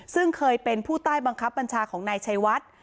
ซึ่งเคยเป็นผู้ใต้บังคับบัญชาของนายชัยวัด